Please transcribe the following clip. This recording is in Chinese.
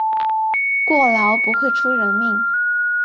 过劳不会出人命